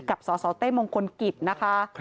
สสเต้มงคลกิจนะคะ